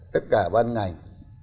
tất cả ban ngành